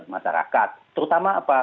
masyarakat terutama apa